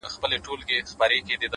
هره ورځ د نوي فصل پیل دی’